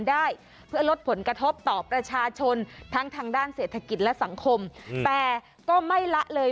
ได้เพื่อลดผลกระทบต่อประชาชนทั้งทางด้านเศรษฐกิจและสังคมแต่ก็ไม่ละเลย